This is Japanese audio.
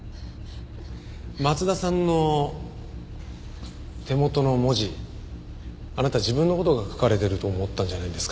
松田さんの手元の文字あなた自分の事が書かれてると思ったんじゃないんですか？